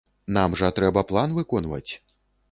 Нам жа трэба план выконваць.